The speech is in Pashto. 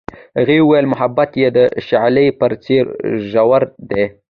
هغې وویل محبت یې د شعله په څېر ژور دی.